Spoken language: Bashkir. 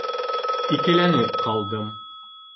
Икеләнеп ҡалдым: